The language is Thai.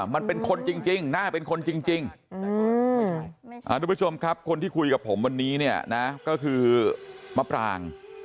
มันเป็นคนจริงน่าเป็นคนจริงทุกผู้ชมครับคนที่คุยกับผมวันนี้เนี่ยนะก็คือมะปราง